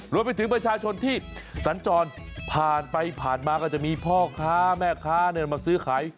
รวมไปถึงประชาชนที่สัญจรผ่านไปผ่านมาก็จะมีพ่อค้าแม่ค้ามาซื้อขาย